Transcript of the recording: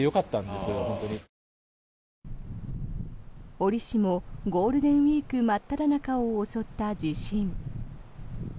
折りしもゴールデンウィーク真っただ中を襲った地震。